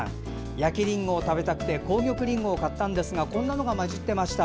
焼きりんごを食べたくて紅玉りんごを買ったんですがこんなのが混じってました。